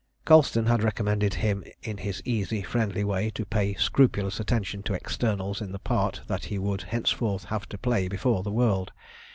Colston had recommended him in his easy friendly way to pay scrupulous attention to externals in the part that he would henceforth have to play before the world.